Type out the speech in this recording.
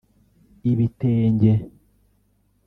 ‘Ibitenge’